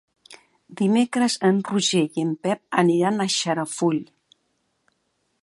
Dimecres en Roger i en Pep aniran a Xarafull.